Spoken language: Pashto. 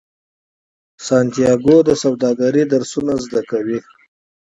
سانتیاګو د سوداګرۍ درسونه زده کوي.